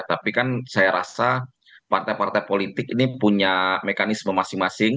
tapi kan saya rasa partai partai politik ini punya mekanisme masing masing